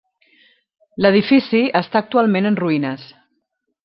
L'edifici està actualment en ruïnes.